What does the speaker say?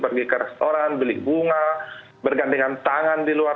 pergi ke restoran beli bunga bergandengan tangan di luar